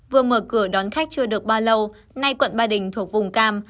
vừa mở cửa đón khách chưa được bao lâu nay quận ba đình thuộc vùng cam